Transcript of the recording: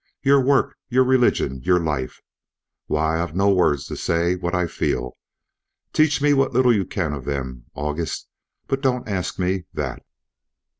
Your work, your religion, your life Why! I've no words to say what I feel. Teach me what little you can of them, August, but don't ask me that."